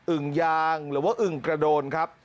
ึ่งยางหรือว่าอึ่งกระโดนครับ